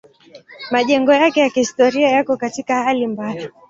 Majengo yake ya kihistoria yako katika hali mbaya.